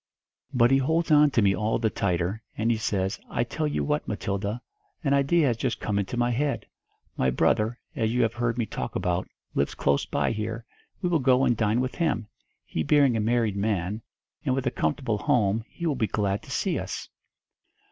But he holds on to me all the tighter, and he says, 'I tell you what, Matilda, a idea has just come into my head 'My brother, as you have heard me talk about, lives close by here, we will go and dine with him. He being a married man, and with a comfortable home, he will be glad to see us.'